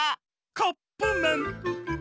カップめん！